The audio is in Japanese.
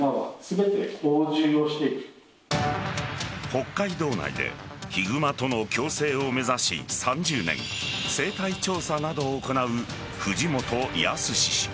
北海道内でヒグマとの共生を目指し３０年生態調査などを行う藤本靖氏。